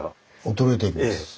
衰えていきます。